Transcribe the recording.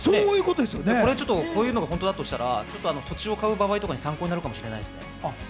こういうのが本当だとしたら土地を買う場合に参考になるかもしれないですね。